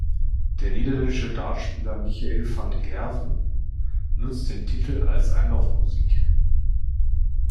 Der niederländische Dartspieler Michael van Gerwen nutzt den Titel als Einlaufmusik.